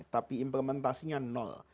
tapi implementasinya nol